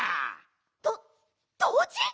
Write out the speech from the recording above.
どどうじ？